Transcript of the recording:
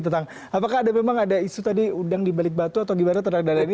tentang apakah ada memang ada isu tadi udang di balik batu atau gimana terhadap dana ini